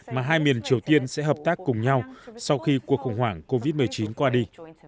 mà hai miền triều tiên sẽ hợp tác cùng nhau sau khi cuộc khủng hoảng covid một mươi chín qua đi